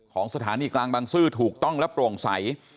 ของสถานีกลางบางซื่อถูกต้องและโปร่งใส